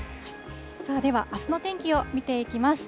では、あすの天気を見ていきます。